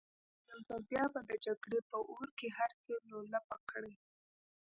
نو يو ځل بيا به د جګړې په اور کې هر څه لولپه کړي.